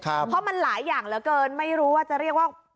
เพราะมันหลายอย่างเหลือเกินไม่รู้ว่าจะเรียกว่า